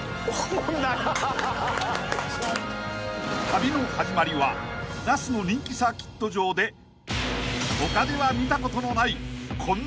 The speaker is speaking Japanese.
［旅の始まりは那須の人気サーキット場で他では見たことのないこんな対決から］